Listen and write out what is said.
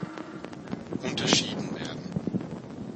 Unterschieden werden